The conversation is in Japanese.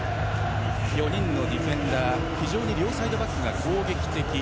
４人のディフェンダー非常に両サイドバックが攻撃的。